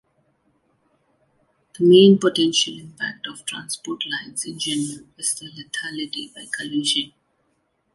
The main potential impact of the transport lines in general is the lethality by collision.